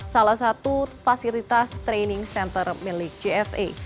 salah satu fasilitas training center wanita